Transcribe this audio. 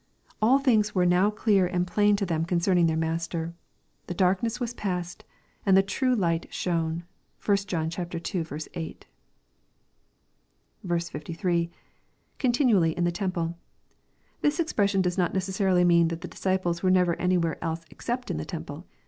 All things were now clear and plain to them con cerning their Master. The darkness was past, and the true light shone. (1 John ii. 8.) 53. —[ Continually in the temple.] This expression does not necessa rily mean that the disciples were never anywhere else except in the temple.